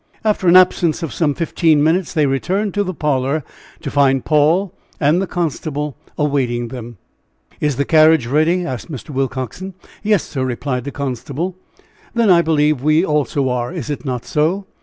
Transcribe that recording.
After an absence of some fifteen minutes they returned to the parlor to find Paul and the constable awaiting them. "Is the carriage ready?" asked Mr. Willcoxen. "Yes, sir," replied the constable. "Then, I believe, we also are is it not so?"